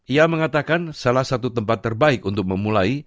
ia mengatakan salah satu tempat terbaik untuk memulai